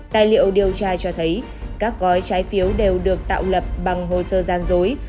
tài liệu điều tra cho thấy các gói trái phiếu đều được tạo lập bằng hồ sơ gian dối